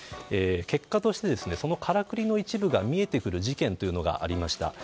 結果としてそのからくりの一部が見えてくる事件というのがありました。